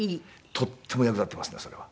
とっても役立ってますねそれは。